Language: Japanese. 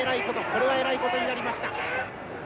これはえらいことになりました。